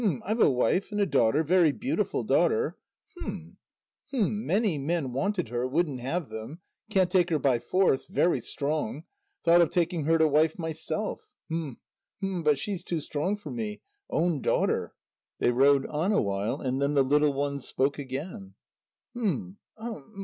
I've a wife ... and a daughter ... very beautiful daughter ... hum hum. Many men wanted her ... wouldn't have them ... can't take her by force ... very strong. Thought of taking her to wife myself ... hum hum. But she is too strong for me ... own daughter." They rowed on a while, and then the little one spoke again. "Hum hum.